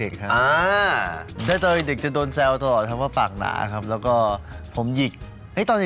คือดูจากทรงผมแล้วไม่ใช่เลยนะ